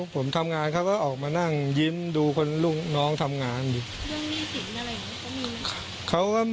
ผมทำงานเขาก็ออกมานั่งยิ้มดูคนลูกน้องทำงานอยู่เรื่องหนี้สินอะไรอย่างนี้